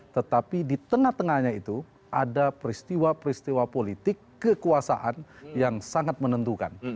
tetapi di tengah tengahnya itu ada peristiwa peristiwa politik kekuasaan yang sangat menentukan